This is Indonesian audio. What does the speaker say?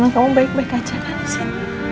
gimana kamu baik baik aja kan sih